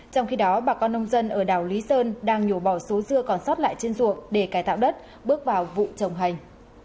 trong khi đó bà con nông dân ở đảo lý sơn đang nhổ bỏ số dưa còn sót lại trên ruộng để cài tạo đất bước vào vụ trồng hành